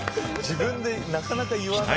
自分でなかなか言わない。